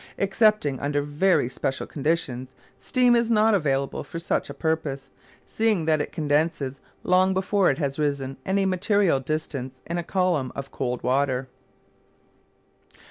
Excepting under very special conditions, steam is not available for such a purpose, seeing that it condenses long before it has risen any material distance in a column of cold water.